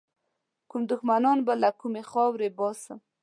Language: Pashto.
کوم دښمنان به له خپلي خاورې باسم.